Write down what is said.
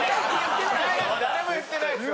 誰も言ってないですよ。